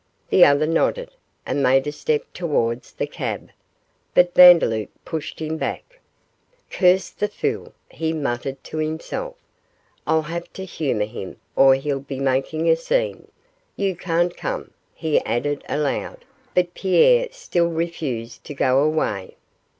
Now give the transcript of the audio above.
The other nodded, and made a step towards the cab, but Vandeloup pushed him back. 'Curse the fool,' he muttered to himself, 'I'll have to humour him or he'll be making a scene you can't come,' he added aloud, but Pierre still refused to go away.